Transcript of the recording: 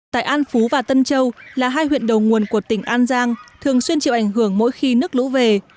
tại an phú và tân châu là hai huyện đầu nguồn của tỉnh an giang thường xuyên chịu ảnh hưởng mỗi khi nước lũ về